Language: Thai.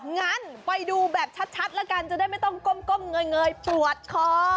งั้นไปดูแบบชัดแล้วกันจะได้ไม่ต้องก้มเงยปวดคอ